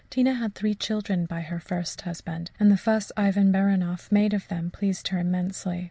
Tina had three children by her first husband, and the fuss Ivan Baranoff made of them pleased her immensely.